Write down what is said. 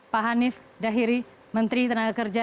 pak hanif dahiri menteri tenaga kerja